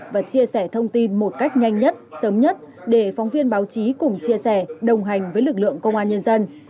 và chia sẻ thông tin một cách nhanh nhất sớm nhất để phóng viên báo chí cùng chia sẻ đồng hành với lực lượng công an nhân dân